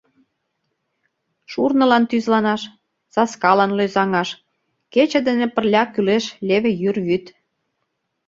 Шурнылан тӱзланаш, саскалан лӧзаҥаш кече дене пырля кӱлеш леве йӱр вӱд.